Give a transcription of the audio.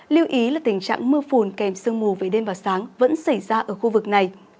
lưu ý là tình trạng mưa phùn kèm sương mù về đêm và sáng vẫn xảy ra ở khu vực này